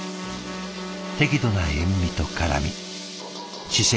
適度な塩味と辛み四川